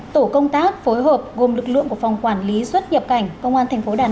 tổ công tác phối hợp gồm lực lượng của phòng quản lý xuất nhập cảnh công an tp đà nẵng